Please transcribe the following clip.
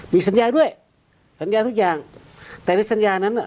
มีสัญญาด้วยสัญญาทุกอย่างแต่ในสัญญานั้นน่ะ